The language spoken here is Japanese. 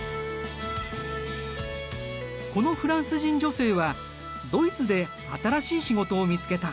このフランス人女性はドイツで新しい仕事を見つけた。